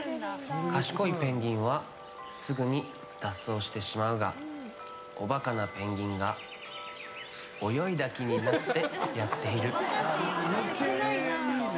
賢いペンギンはすぐに脱走してしまうがおバカなペンギンが泳いだ気になってやっている。